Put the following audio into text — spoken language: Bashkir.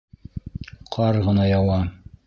Ҡар ғына яуа...